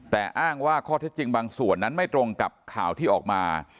แต่อ้างว่าข้อเท็จจริงบางส่วนนั้นไม่ตรงกับข่าวที่ออกมา